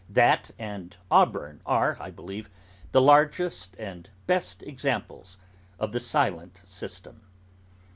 That, and Auburn, are, I believe, the largest and best examples of the silent system.